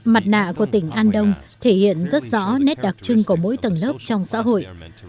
mặt nạ của tỉnh andong thể hiện rất rõ nét đặc trưng của mỗi tầng lớp trong xã hội